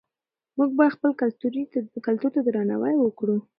موږ باید خپل کلتور ته درناوی وکړو.